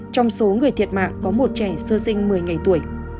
trong số người thiệt mạng có một trẻ sơ sinh một mươi ngày tuổi